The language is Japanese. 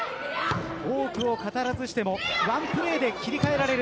多くを語らずしてもワンプレーで切り替えられる。